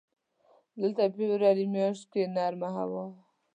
دلته د فبروري میاشت کې نرمه هوا وه.